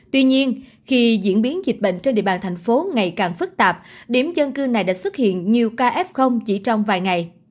tuy nhiên khi diễn biến dịch bệnh trên địa bàn thành phố ngày càng phức tạp điểm dân cư này đã xuất hiện nhiều ca f chỉ trong vài ngày